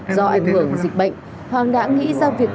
do ảnh hưởng dịch bệnh hoàng đã nghĩ ra việc